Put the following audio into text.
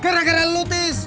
gara gara lu tis